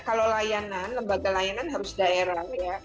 kalau layanan lembaga layanan harus daerah ya